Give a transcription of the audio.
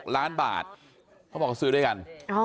ล้านบาทเขาบอกเขาซื้อด้วยกัน